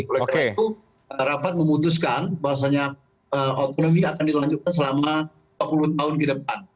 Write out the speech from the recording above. oleh karena itu rapat memutuskan bahwasannya otonomi akan dilanjutkan selama empat puluh tahun ke depan